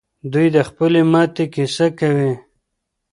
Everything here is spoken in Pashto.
دوی د خپلې ماتې کیسه کوي.